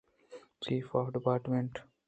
چیف آف ڈیپارٹمنٹ